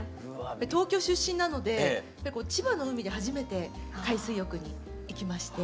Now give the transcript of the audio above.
東京出身なので千葉の海で初めて海水浴に行きまして。